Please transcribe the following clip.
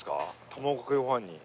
卵かけご飯に。